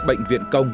bệnh viện công